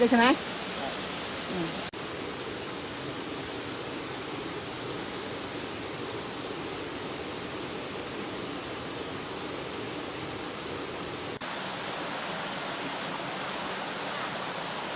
หมดกระดูกที่ประมาณนึง